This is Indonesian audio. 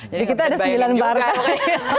jadi kita ada sembilan partai